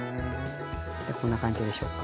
こんな感じでしょうか。